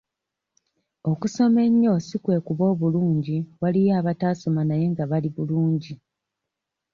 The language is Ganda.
Okusoma ennyo si kwe kuba obulungi waliyo abataasoma naye nga bali bulungi.